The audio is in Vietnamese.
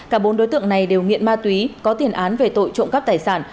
cả bốn đối tượng này đều nghiện ma túy có tiền án về tội trộm cắp tài sản